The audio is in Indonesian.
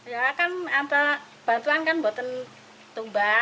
ya kan bantuan kan buatan tumba asa air kantun dukun jendengang sering bantuan bantun ikut